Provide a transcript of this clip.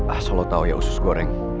asal lo tau ya usus goreng